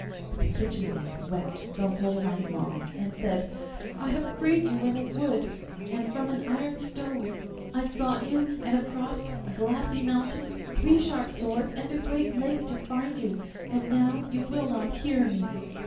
But the kitchen maid wept the whole night long, and said, 'I have freed you in a wood and from an iron stove; I sought you and have crossed a glassy mountain, three sharp swords, and a great lake to find you, and now you will not hear me!